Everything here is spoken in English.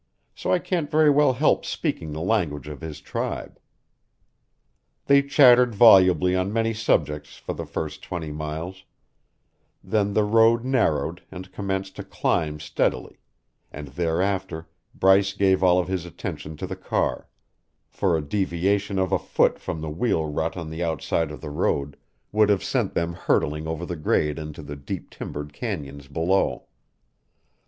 So I can't very well help speaking the language of the tribe." They chattered volubly on many subjects for the first twenty miles; then the road narrowed and commenced to climb steadily, and thereafter Bryce gave all of his attention to the car, for a deviation of a foot from the wheel rut on the outside of the road would have sent them hurtling over the grade into the deep timbered canons below.